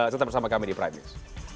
tetap bersama kami di prime news